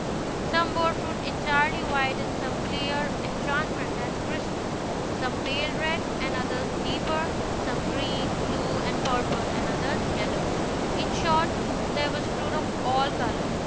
Some bore fruit entirely white, and some clear and transparent as crystal; some pale red, and others deeper; some green, blue, and purple, and others yellow; in short, there was fruit of all colors.